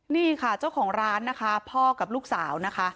นี่ค่ะเจ้าของร้านนะคะพ่อกับลูกสาวนะคะ